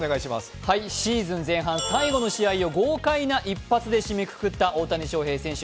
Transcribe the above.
シーズン前半最後の試合を豪快な一発で締めくくった大谷翔平選手。